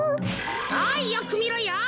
おいよくみろよ。